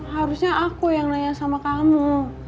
harusnya aku yang nanya sama kamu